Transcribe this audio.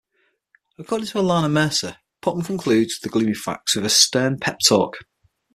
According to Ilana Mercer "Putnam concludes the gloomy facts with a stern pep talk".